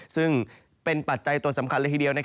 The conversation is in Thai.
ซึ่งเป็นปัจจัยตัวสำคัญเลยทีเดียว